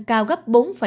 cao gấp bốn bốn